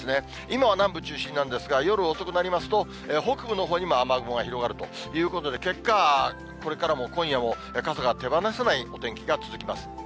今は南部中心なんですが、夜遅くなりますと、北部のほうにも雨雲が広がるということで、結果、これからも今夜も、傘が手放せないお天気が続きます。